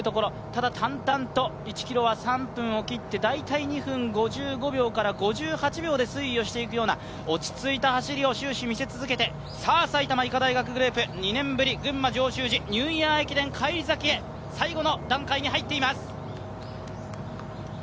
ただ淡々と１ｋｍは３分を切って大体２分５５秒から５８秒で推移をしていくような落ち着いた走りを終始見せ続けて、埼玉医科大学グループ、２年ぶり群馬上州路ニューイヤー駅伝返り咲きへ最後の段階に入っています。